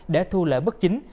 để thu lỡ bất chính